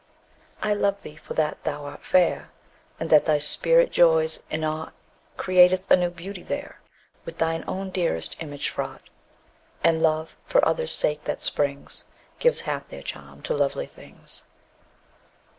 I love thee for that thou art fair; And that thy spirit joys in aught Createth a new beauty there, With throe own dearest image fraught; And love, for others' sake that springs, Gives half their charm to lovely things.